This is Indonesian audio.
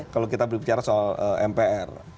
kalau kita berbicara soal mpr